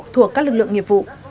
thuộc các lực lượng nghiệp vụ